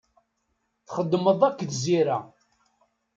Txeddmeḍ akked Zira.